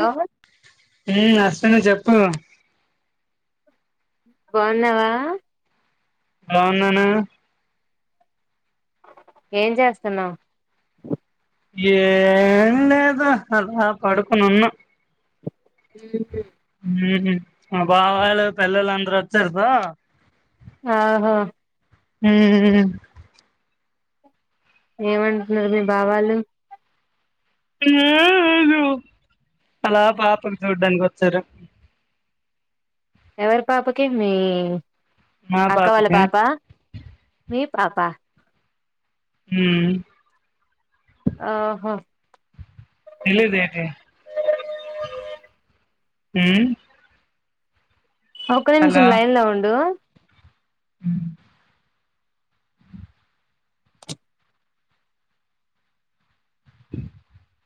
Hello ఆ అసలే చెప్ప బాగున్నావా బాగున్నాను ఏం చేస్తన్నావు ఏం లేదు అద పడుకునున్నా ఉహు బా వాళ్ళు పిల్లలు అందరు వచ్చారు బా ఆహా ఉమ్ ఏమంటున్నారు మీ భావాలు అలా పాపకు చూడ్డానికి వచ్చారు ఎవరి పాపకి మీ మా అక్క వాళ్ళ పాపకి పాపా మీ పాపా హమ్ ఆహా ఇలేదతే ఒక్క నిమిషం లైన్ లో ఉండు [unintelligible] [unintelligible]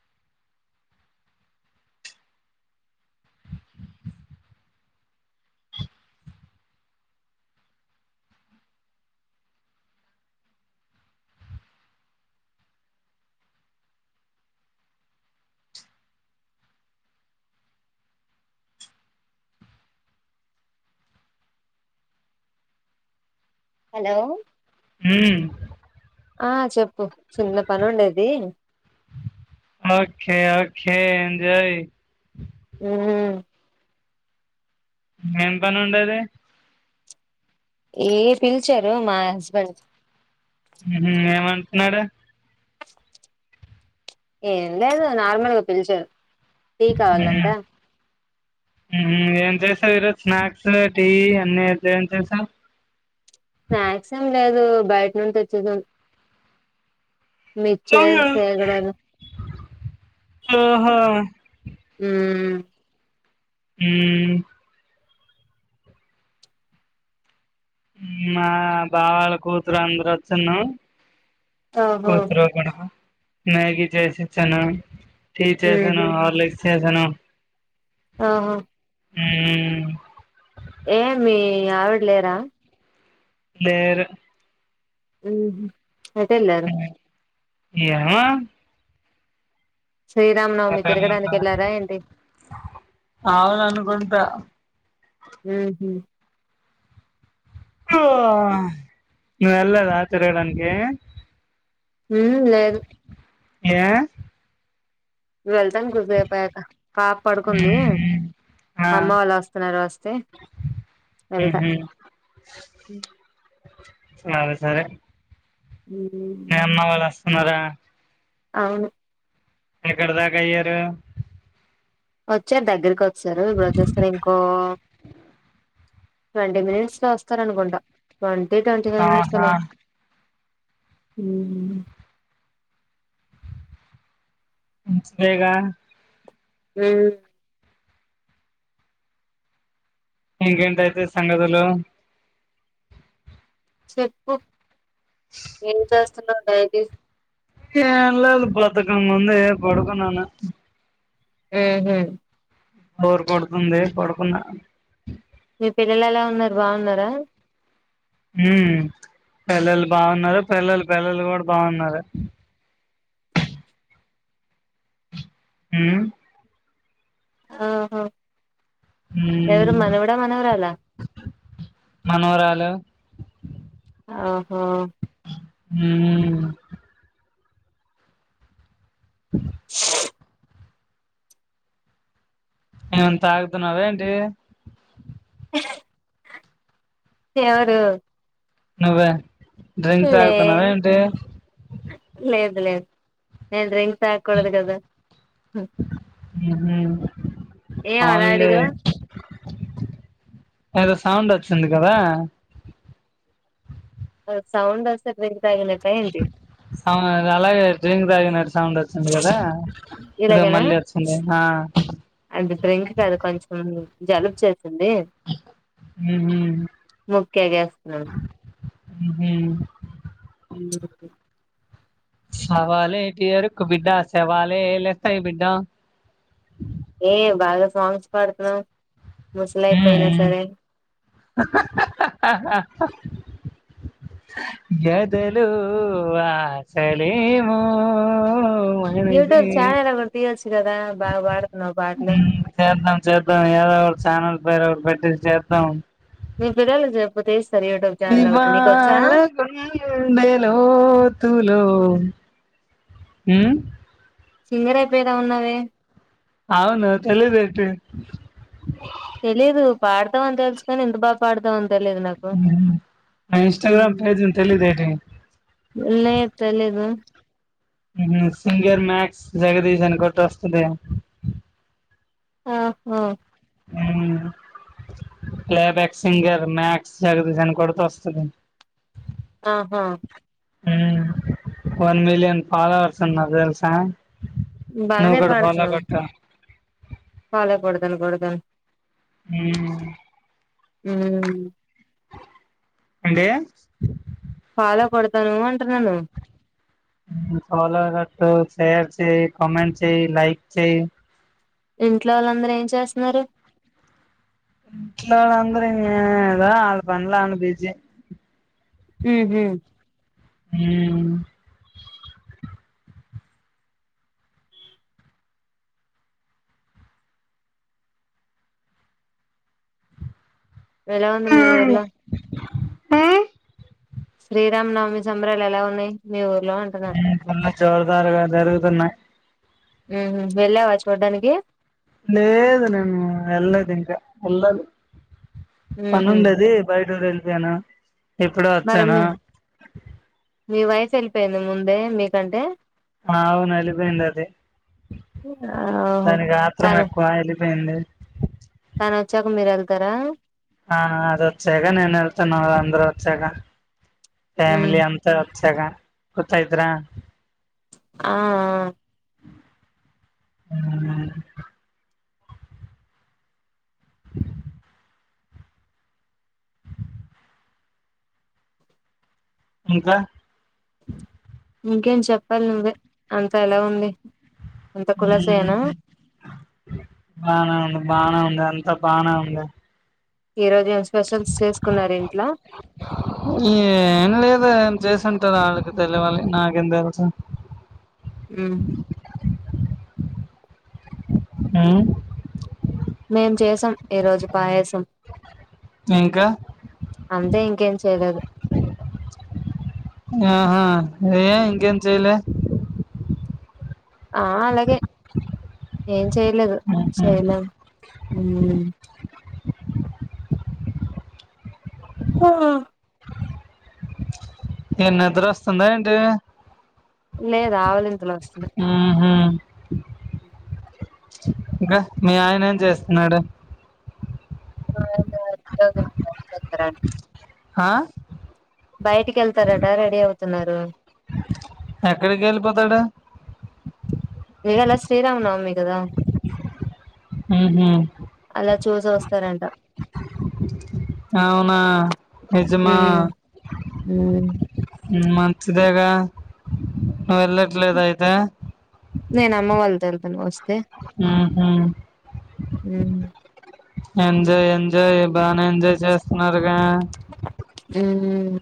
[unintelligible] హలో హ ఆ చెప్పు చిన్న పని ఉండేది ఓకే ఓకే ఎంజాయ్ హమ్ ఏం పని ఉండది ఏ పిలిచారు మా హస్బెండ్ ఏమంటున్నాడు ఏం లేదు నార్మల్ గా పిలిచదు టీ కావాలంట ఉహు స ఈరోజు స్నాక్స్ టీ అన్న చే సా స్నాక్స్ ఏం లేదు బయట నుండి వచ్చేదాం మిచర్ సేగడలు ఓహో హమ్ హమ్ మా బావాల కూతురు అందరు వచ్చిను ఓహో కూతురు కూడా బ మ్యాగీ చేసి ఇచ్చాను టి చేసాను ఉహు హర్లిక్ చేసాను ఓహో హమ్ ఏమి ఆవిడ లేరా లేేరు ఎటెళ్ళారు ఏమో శ్రీరామనవమి తిరగడానికి వెళ్ళారా ఏంటి అవును అనుకుంత ఓహో ఓరి నువ్వు తిరగడానికి వెళ్లలేదా హా లేదు ఏ వెళ్తాను కోసేపు అయిపోయాక పాప పడుకుంది మ్మ్ అమ్మ వాళ్ళ వస్తున్నారు వస్తే వెళ్తా హమ్ [unintelligible] సే సరే ఉ అన్నారా అవును ఎక్కడ దాకా అయ్యారు వచ్చారు దగ్గరికి వచ్చారు ఇప్పురజేస్తారు ఇంకో ట్వంటీ మినిట్స్ లో వస్తార అనుకుంటా ట్వంటీ ట్వంటీ ఫైవ్ మినిట్స్ల ఆహా ఉమ్ మంచిదేగా ఉమ్ ఇంకేంటయితే సంగతులు చెప్పు ఏం చేస్తున్నావ్ డైలీ ఏం లేదు బద్దకంగా ఉంది ఎ పడుకున్నాను ఉహూ బోర్ కొడుతుంది పడుకున్న పిల్లలేలా ఉన్నారు బాగున్నారా ఉమ్ పిల్లలు బాగున్నారు పిల్లల పిల్లలు కూడా బాగున్నారు ఉమ్ ఆహా ఎవరు ఉమ్ మనవడ మనవరాలా మనవరాలు ఆహ ఉమ్ స [inaudible] ఏమన తాగుతున్నావ ఏంటి [inaudible] ఎవరు నువ్వే డ్రింక్ లే తాగుతున్నావా ఏంటి లేదు నేను డ్రింక్ తాగ కూడదు కాదా హుం ఉమ్ హు అలా అవును లే అడిగావ్ ఏదో సౌండ్ వచ్చింది కదా సౌండ్ వస్తే డ్రింక్ తాగినట్టా ఏంటి ఆ అలాగే డ్రీంక్ తాగినట్ సౌండ్ వచ్చింది కదా ఇదో మళ్లీ వచ్చింది ఆ అంటే డ్రింక్ కాదు కొంచెం జలుబు చేసింది హుహు. ముక్కెగేస్తున్నాను ఉ హు ఉంహు సవాలేటి ఎరుకు బిడ్డ సేవాలే లేస్తాయి బిడ్డ ఏ బాగా సాంగ్స్ పాడుతున్నావు. ఉమ్ ఉమ్ హహ హహ హహ [inaudible] బెదలో ఆశా లేమో వో వో యూట్యూబ్ ఛానల్ ఒకటి తీయొచ్చు కదా బాగా పాడుతున్నావు పాటలు హ్మ్. చేద్దాం చేద్దాం ఏదో ఒకటి ఛానల్ పేరు ఒకటి పెట్టిసి చేద్దాం మీ పిడాల చెపోతే ఇవాళ గుండే లోతు లో ఉమ్ సింగర్ అయిపోయిదా ఉన్నావే అవును తెలిదేటీ తెలీదు పాడతావు అని తెలుసుకాని ఇంతా బాగా పాడతావని తెలియదు నాకు ఉమ్ హు నా ఇన్స్టగ్రామ్ పేజ్ ఉంది తెలిదేటి లేద్ తెలీదు ఉంహు సింగర్ మ్యాక్స్ జగదీష్ అని కొట్టు వస్తది ఆహా playback singer Max Jagadish అని కొడితే వస్తది. ఆహా ఉమ్ వన్ మిలియన్ ఫాలవర్స్ ఉన్నారు తెలుసా నువ్వు బానే కూడా ఫాలో పాడుతున్నావు కొట్టు ఫాలో కొడతాను కొడతాను మ్మ్ యూ ఏంటి ఫాలో కొడతాను అంటున్నాను. యూ ఫాలో కొట్టు షేర్ చెయ్ కామెంట్ చెయ్ లైక్ చెయ్ ఇంట్లో వాళ్ళందరూ ఏం చేస్తున్నారు. ఇంట్లో వాళ్ళ అందరు ఏదో వాళ్ల పనులు వాళ్లు బిజీ ఉహు యూ వేలా ఉంది మీ ఊర్లో ఉ శ్రీరామనవమి సంబరాలు ఎలా ఉన్నాయి మీ ఊర్లో అంటున్నా యూ పనులు చాలా త్వరగా జరుగుతున్నాయి ఉ వెళ్ళావా చూడడానికి లేదు నేను ఏలేదు ఇంకా ఎల్లాలి ఉహు పన్నుండేది బయటూరు వెళ్ళిపోయాను ఇప్పుడు మరి వచ్చాను మీ మీ వైఫ్ వెళ్ళిపోయింద ముందే మీకంటే అవును వెళ్ళిపోయింది ఆది ఆహో దానికి ఆత్రం తను ఎక్కువ ఎల్లి పోయింది తను వచ్చాక మీరు వెళ్తారా ఆ అదొచ్చాక నేను వెళ్తాను అందరు వచ్చాక ఉ ఫ్యామిలీ అంతా చ్చగా గుత్తా అయిదురా ఆ ఆ ఊ ఇంకా ఇంకేం చెప్పాలి నువ్వే అంత ఎలా ఉంది అంత కులాసేనా యూ బానే ఉంది బానే ఉంది ఆన్ అంతా బానే ఉంది ఈ రోజు ఏం స్పెషల్స్ చేసుకున్నారు ఇంట్ల ఏ ఏం లేదు ఏం చేసుంటారు వాళ్లకి తెలియాలి నక్ ఏంది తెలుసు హ్మ్ ఉ మేం చేసాం ఈ రోజు పాయసం ఇంకా అంతే ఇంకేం చెయ్యలేదు ఆహా ఏ ఇంకేం చెయ్యలే ఆ అలాగే ఏం చెయ్యలేదు ఉహు, చేయలేం యూ హా ఏం నిద్ర వస్తుందా ఏంటి ఉహు అ ఇంకా మీ ఆయన ఏం చేస్తున్నాడు మా ఆయన [unintelligible] చేతాడు ఆ బయటికి వెళ్తారట రెడీ అవుతున్నారు ఎక్కడికి వెళ్ళిపోతాడు ఇవాళ శ్రీరామనవమి కద ఉహు అలా చూసి వస్తారంట అవునా నిజామా హ్మ్ హ్మ్ మంచిదేగా వెళ్లట్లేదా అయితే నేను అమ్మ వాళ్ళతో వెళ్తాను వస్ ఊహూ ఎంజాయ్ ఎంజాయ్ బానే ఎంజాయ్ చేస్తున్నారుగా ఊమ్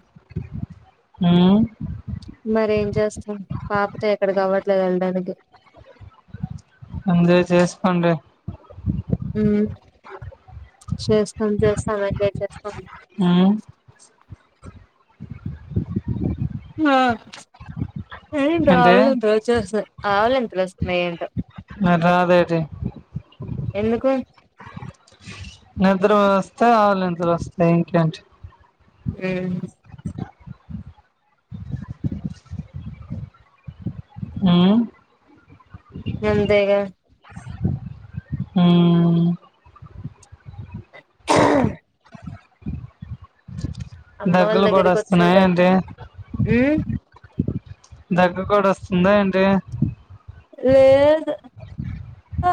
ఊమ్ మరేం చేస్తాం పాపతో ఎక్కడకి అవట్లేద్ వెళ్ళడానికి ఎంజాయ్ చేసుకోండి ఉమ్ చేస్తాం చేస్తాం ఎంజాయ్ చేస్తాం ఉమ్ ఆ ఎంటో ఏంటి ఆవలింతలోచ్చేస్తాయ్ ఆవలింతలోస్ మెంటో మరి రాదేటి ఎందుకు నిద్ర వస్తే ఆవలింపులు వస్తాయ్ ఇంకేంటి ఉమ్ ఊమ్ అంతేగా ఉమ్ [inaudible] అమ్మ వాళ్ళ దగ్గులు కూడా దగ్గరికి వస్తున్నాయ వచ్చుంటారు ఏంటి ఉమ్ దగ్గు కూడా వస్తుందా ఏంటి లేదు ఆ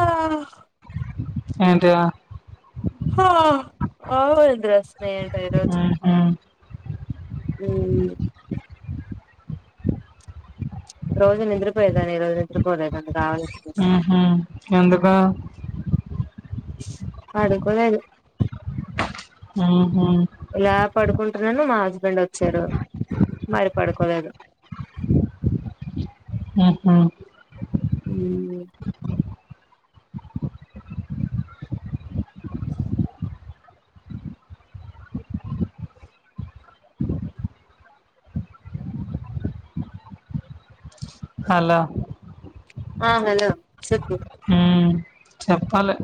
ఏంటిదా హ అవలింతలోస్ ఉహూ ఊమ్ రోజు నిద్రపోయేదాన్ని ఈరోజు నిద్రపోలేదండి ఉహు ఎందుకు పడుకోలేదు మ్మ్ హ్మ్ ఇలా పడుకుంటున్నాను మా హస్ స్బెండ్ వచ్చాడు మళ్ళి పడుకోలేదు ఉహూ ఊమ్ [inaudible] హలో ఆ హలో చెప్పు చెప్పాలే